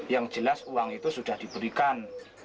yang jelas uang itu sudah diberikan